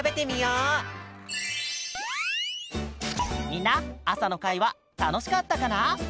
みんな朝の会はたのしかったかな？